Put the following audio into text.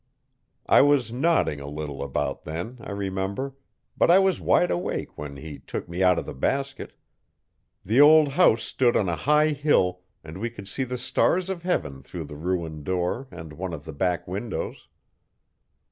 I was nodding a little about then, I remember; but I was wide awake when he took me out of the basket The old house stood on a high hill, and we could see the stars of heaven through the ruined door and one of the back windows.